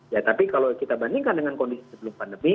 ya tapi kalau kita bandingkan dengan kondisi sebelum pandemi